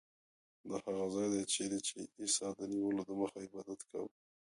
دا هغه ځای دی چیرې چې عیسی د نیولو دمخه عبادت کاوه.